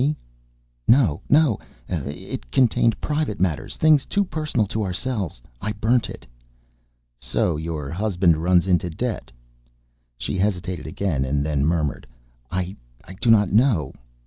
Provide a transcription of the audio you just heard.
"No; no ... no ... it contained private matters ... things too personal to ourselves.... I burnt it." "So your husband runs into debt?" She hesitated again, and then murmured: "I do not know."